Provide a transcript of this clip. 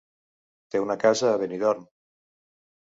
Té una casa a Benidorm.